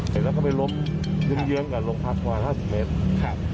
แล้วก็ไปล้มเยือนกับโรงพักษณ์ว่า๕๐เมตร